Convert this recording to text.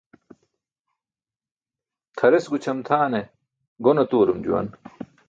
Tʰares gućʰam tʰaane gon atuwarum juwan.